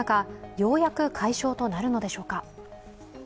ようやく解消となるのでしょうか。